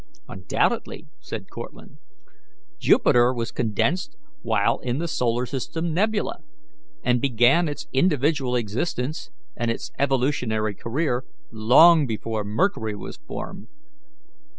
"Undoubtedly," said Cortlandt. "Jupiter was condensed while in the solar system nebula, and began its individual existence and its evolutionary career long before Mercury was formed.